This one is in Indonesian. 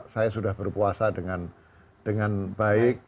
saya sudah berpuasa dengan baik